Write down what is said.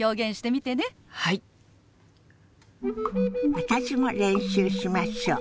私も練習しましょう。